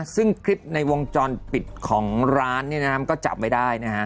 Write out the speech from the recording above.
ซึ่งคลิปในวงจรปิดของร้านก็จับไม่ได้นะฮะ